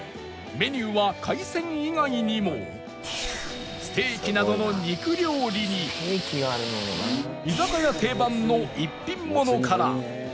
メニューはステーキなどの肉料理に居酒屋定番の一品ものから